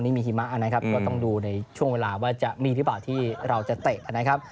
นี่มีหิมะนะครับก็ต้องดูในช่วงเวลาว่าจะมีหรือเปล่าที่เราจะเตะนะครับ